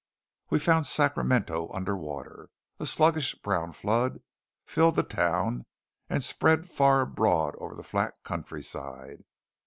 We found Sacramento under water. A sluggish, brown flood filled the town and spread far abroad over the flat countryside.